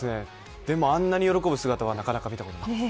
でも、あんなに喜ぶ姿はなかなか見たことないです。